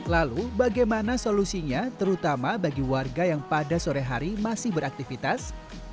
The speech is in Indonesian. lalu bagaimana solusinya terutama bagi warga yang pada sore hari masih beraktivitas